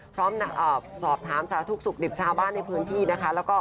พร้อมนักสอบถามสารีทุกข์สูบหลีบชาวบ้านที่พื้นที่นะคะ